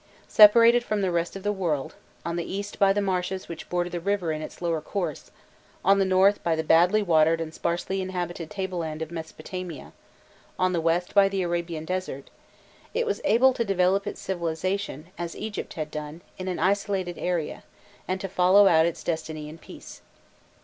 Separated from the rest of the world on the east by the marshes which border the river in its lower course, on the north by the badly watered and sparsely inhabited table land of Mesopotamia, on the west by the Arabian desert it was able to develop its civilization, as Egypt had done, in an isolated area, and to follow out its destiny in peace.